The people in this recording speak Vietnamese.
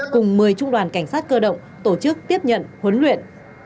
cùng một mươi trung đoàn cảnh sát cơ động tổ chức tiếp nhận huấn luyện